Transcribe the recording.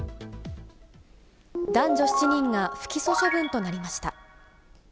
男女７人が不起訴処分となりました。